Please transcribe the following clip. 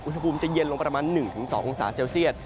อุณหภูมิจะเย็นลงประมาณ๑๒องศาเซลเซียต